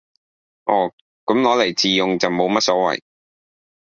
哦，噉攞嚟自用就冇乜所謂